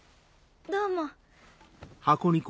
どうも。